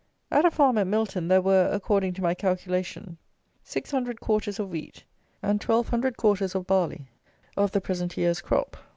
At a farm at Milton there were, according to my calculation, 600 quarters of wheat and 1200 quarters of barley of the present year's crop.